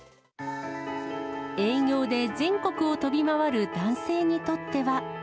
営業で全国を飛び回る男性にとっては。